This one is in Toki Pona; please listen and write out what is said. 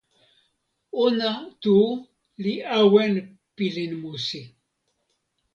ona tu li awen pilin musi.